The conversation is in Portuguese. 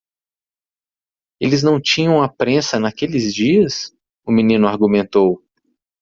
"Eles não tinham a prensa naqueles dias?" o menino argumentou.